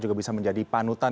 juga bisa menjadi panutan